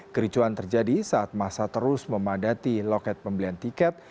kericuan terjadi saat masa terus memadati loket pembelian tiket